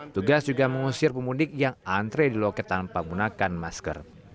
tugas juga mengusir pemudik yang antre di loket tanpa menggunakan masker